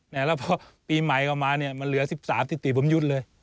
แล้วพอปีใหม่ออกมาเนี่ยมันเหลือ๑๓ทิติผมยุดเลย